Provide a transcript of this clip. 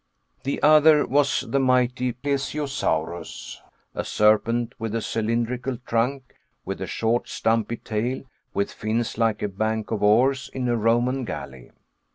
The other was the mighty Plesiosaurus, a serpent with a cylindrical trunk, with a short stumpy tail, with fins like a bank of oars in a Roman galley.